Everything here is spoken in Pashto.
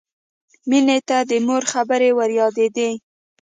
مینې ته د مور خبرې وریادېدې